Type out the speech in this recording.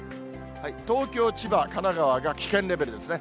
東京、千葉、神奈川が危険レベルですね。